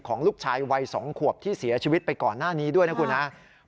ของลูกชายวัย๒ขวบที่เสียชีวิตไปก่อนหน้านี้ด้วยนะครับ